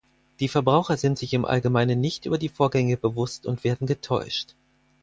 Die Verbraucher sind sich im Allgemeinen nicht über die Vorgänge bewusst und werden getäuscht.